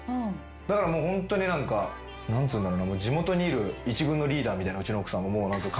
だからホントに何か何つうんだろうな地元にいる一軍のリーダーみたいなうちの奥さんはもう何か感覚。